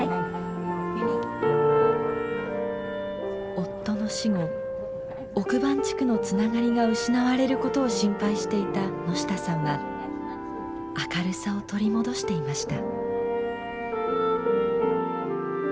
夫の死後奥番地区のつながりが失われることを心配していた野下さんは明るさを取り戻していました。